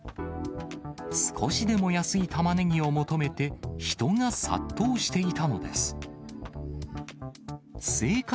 少しでも安いタマネギを求めて、人が殺到していたのです。